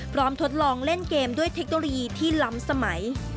ทดลองเล่นเกมด้วยเทคโนโลยีที่ล้ำสมัย